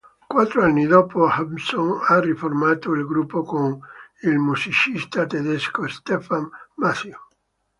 Quattro anni dopo Hampson ha riformato il gruppo con il musicista tedesco Stephan Mathieu.